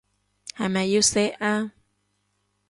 係咪要錫啊？